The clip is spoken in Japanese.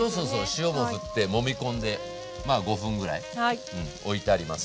塩もふってもみ込んでまあ５分ぐらいおいてあります。